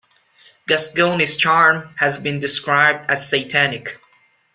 Gousgounis charm has been described as "satanic".